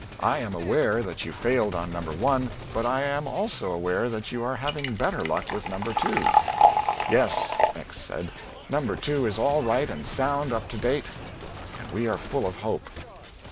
I am aware that you failed on No. 1, but I am also aware that you are having better luck with No. 2." "Yes," X said; "No. 2 is all right and sound up to date, and we are full of hope."